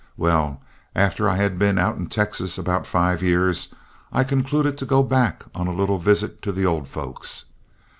Well, after I had been out in Texas about five years, I concluded to go back on a little visit to the old folks.